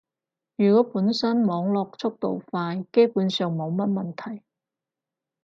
如果本身網絡速度快，基本上冇乜問題